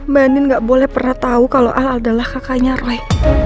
mbak nin gak boleh pernah tahu kalau al adalah kakaknya roy